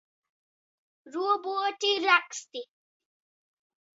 Roboti raksti.